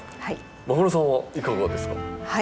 間室さんはいかがですか？